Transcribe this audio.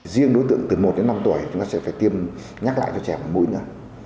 riêng đối tượng từ một đến năm tuổi chúng ta sẽ phải tiêm nhắc lại cho trẻ bằng mũi nữa